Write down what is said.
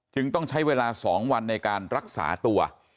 ต้องใช้เวลา๒วันในการรักษาตัว